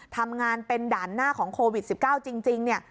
ทำงานเป็นด่านหน้าของโควิด๑๙จริงเนี่ย